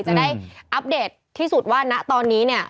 จะได้อัปเดตที่สุดว่าณตอนนี้เนี่ย